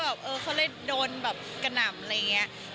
เราก็เลยเขาเลยโดนกระหน่ำอะไรอย่างนี้